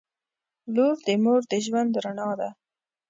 • لور د مور د ژوند رڼا ده.